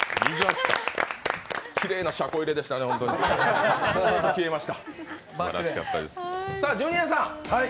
きれいな車庫入れでしたね、本当に、すーっと消えました。